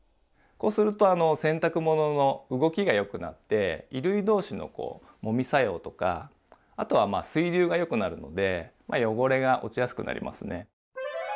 こうすると洗濯物の動きがよくなって衣類同士のこうもみ作用とかあとは水流がよくなるので汚れが落ちやすくなりますね。